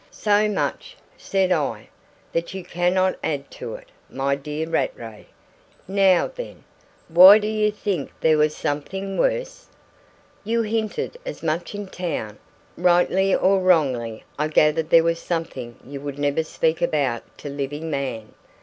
"So much," said I, "that you cannot add to it, my dear Rattray. Now, then! Why do you think there was something worse?" "You hinted as much in town: rightly or wrongly I gathered there was something you would never speak about to living man."